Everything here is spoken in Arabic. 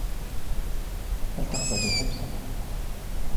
هل تخبز خبز؟